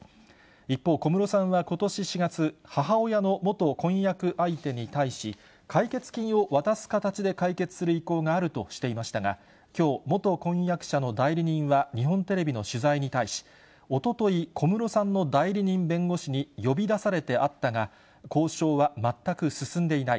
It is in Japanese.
一方、小室さんはことし４月、母親の元婚約相手に対し、解決金を渡す形で解決する意向があるとしていましたが、きょう、元婚約者の代理人は日本テレビの取材に対し、おととい、小室さんの代理人弁護士に呼び出されて会ったが、交渉は全く進んでいない。